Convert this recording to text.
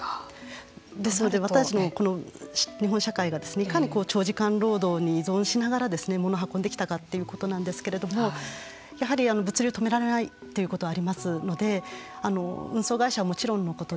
ですので私たちのこの日本社会がいかに長時間労働に依存しながらものを運んできたかということなんですけれどもやはり物流を止められないということありますので運送会社はもちろんのこと